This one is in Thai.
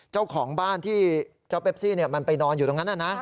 เจ้าของบ้านที่เจ้าเปปซี่มันไปนอนอยู่ตรงนั้นนะ